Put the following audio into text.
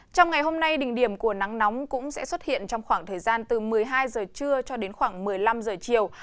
trong ngày hôm nay đỉnh điểm của nắng nóng cũng sẽ xuất hiện trong khoảng thời gian từ một mươi hai giờ trưa cho đến khoảng một mươi năm giờ chiều